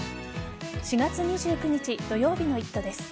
４月２９日土曜日の「イット！」です。